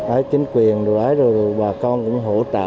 ái chính quyền rồi ái rồi bà con cũng hỗ trợ